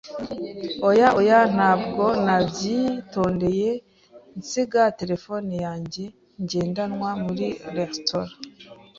Oya oya! Ntabwo nabyitondeye nsiga terefone yanjye ngendanwa muri resitora!